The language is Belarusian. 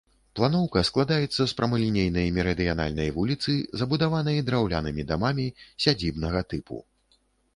Планоўка складаецца з прамалінейнай мерыдыянальнай вуліцы, забудаванай драўлянымі дамамі сядзібнага тыпу.